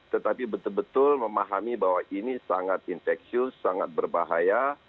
tetapi betul betul memahami bahwa ini sangat infeksius sangat berbahaya